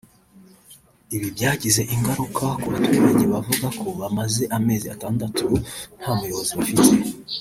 Ibi byagize ingaruka ku baturage bavuga ko bamaze amezi atandatu nta muyobozi bafite